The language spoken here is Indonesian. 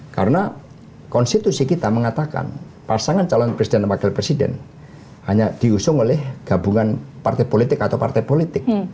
karena konstitusi kita mengatakan pasangan calon presiden dan wakil presiden hanya diusung oleh gabungan partai politik atau partai politik